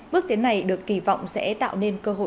bước tiến này được kỳ vọng sẽ tạo ra một nguồn năng lượng tài tạo